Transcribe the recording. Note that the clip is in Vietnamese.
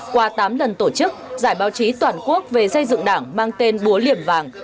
qua tám lần tổ chức giải báo chí toàn quốc về xây dựng đảng mang tên búa liềm vàng